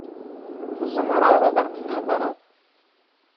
Tzemreḍ ad aɣ-d-theḍṛeḍ.